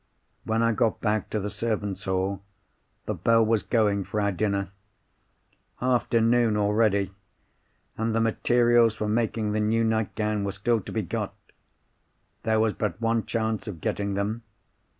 "When I got back to the servants' hall, the bell was going for our dinner. Afternoon already! and the materials for making the new nightgown were still to be got! There was but one chance of getting them.